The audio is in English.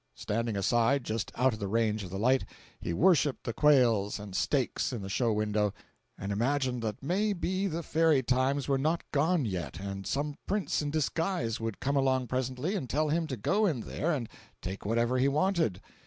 Standing aside, just out of the range of the light, he worshiped the quails and steaks in the show window, and imagined that may be the fairy times were not gone yet and some prince in disguise would come along presently and tell him to go in there and take whatever he wanted.